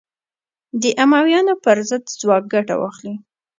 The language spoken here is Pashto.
د امویانو پر ضد ځواک ګټه واخلي